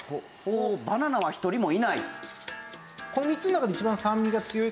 バナナは一人もいない。